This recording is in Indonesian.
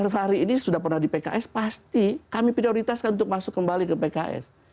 fahri ini sudah pernah di pks pasti kami prioritaskan untuk masuk kembali ke pks